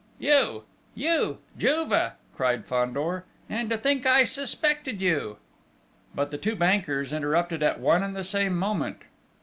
"You! You, Juve!" cried Fandor. "And to think I suspected you...." But the two bankers interrupted at one and the same moment.